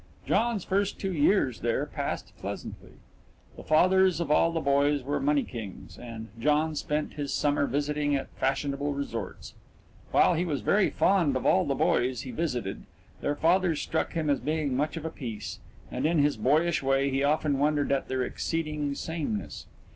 John's first two years there passed pleasantly. The fathers of all the boys were money kings, and John spent his summer visiting at fashionable resorts. While he was very fond of all the boys he visited, their fathers struck him as being much of a piece, and in his boyish way he often wondered at their exceeding sameness.